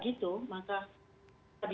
maksudnya kita harus berhenti